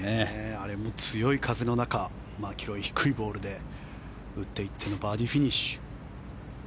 あれも強い風の中マキロイ低いボールで打っていってのバーディーフィニッシュ。